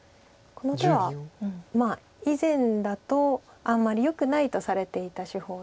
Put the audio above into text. この手は以前だとあんまりよくないとされていた手法で。